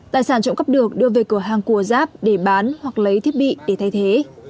tài sản trộm cắp được đưa về cửa hàng của giáp để bán hoặc lấy thiết bị để thay thế